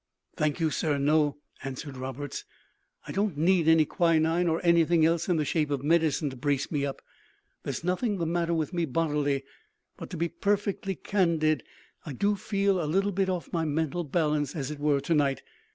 "Thank you, sir, no," answered Roberts; "I don't need any quinine, or anything else in the shape of medicine to brace me up. There's nothing the matter with me, bodily; but, to be perfectly candid, I do feel a little bit off my mental balance, as it were, to night.